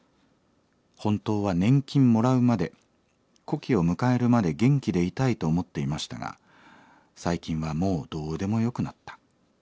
本当は年金もらうまで古希を迎えるまで元気でいたいと思っていましたが最近はもうどうでもよくなった。